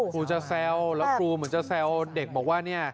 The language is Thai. ครูจะแซวแล้วครูเหมือนจะแซวเด็กบอกว่าเนี่ย